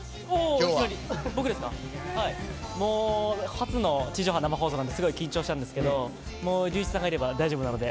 初の地上波生放送なんですごい緊張したんですけど隆一さんがいれば大丈夫なので